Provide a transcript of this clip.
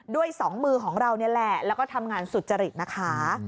สองมือของเรานี่แหละแล้วก็ทำงานสุจริตนะคะ